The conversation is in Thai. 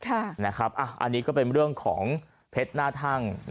อันนี้ก็เป็นเรื่องของเพชรหน้าทั่ง